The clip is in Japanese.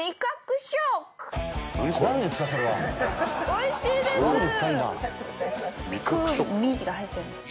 おいしいです。